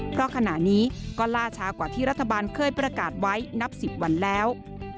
เพราะขณะนี้ก็ล่าช้ากว่าที่รัฐบาลเคยประกาศไว้นับ๑๐วันแล้ว